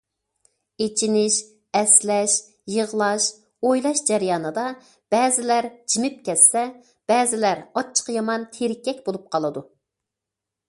ئېچىنىش، ئەسلەش، يىغلاش، ئويلاش جەريانىدا بەزىلەر جىمىپ كەتسە، بەزىلەر ئاچچىقى يامان تېرىككەك بولۇپ قالىدۇ.